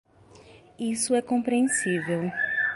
Isso é compreensível.